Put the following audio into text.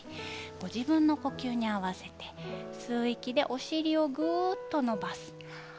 ご自分の呼吸に合わせて吸う息でお尻をぐっと伸ばします。